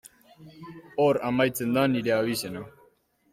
Hor amaitzen da nire abizena.